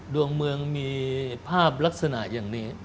ดวงเมืองมีภาพลักษณะอย่างนี้